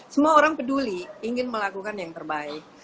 semua orang peduli ingin melakukan yang terbaik